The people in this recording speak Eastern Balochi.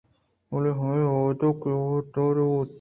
بلےہمے وہد ءَ کہ آ دئور دئیگ بُوت